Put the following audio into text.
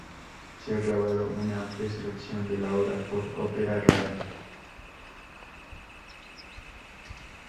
Se ha grabado una amplia selección de la obra por Opera Rara.